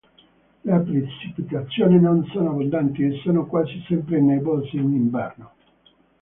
Le precipitazioni non sono abbondanti e sono quasi sempre nevose in inverno.